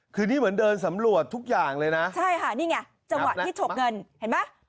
คือนี่เหมือนเดินสำรวจทุกอย่างเลยนะใช่ค่ะนี่ไงจังหวะที่ฉกเงินเห็นไหม